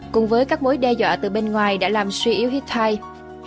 cùng với các mối đe dọa từ bên ngoài đã làm suy yếu hittite